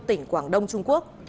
tỉnh quảng đông trung quốc